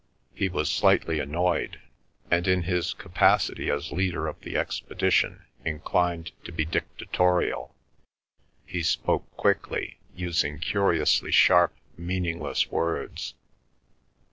He was slightly annoyed, and in his capacity as leader of the expedition, inclined to be dictatorial. He spoke quickly, using curiously sharp, meaningless words.